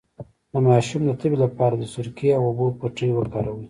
د ماشوم د تبې لپاره د سرکې او اوبو پټۍ وکاروئ